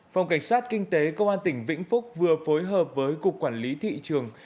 phòng cảnh sát kinh tế công an tỉnh vĩnh phúc vừa phối hợp với cục quản lý thị trường